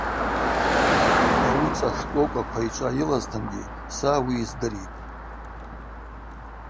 Ауи цӏа шкӏвокӏва, квайчӏва йылазтынгьи са ауи йыздыритӏ.